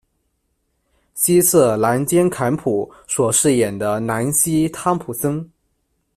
希瑟·兰坚坎普》所饰演的南西·汤普森。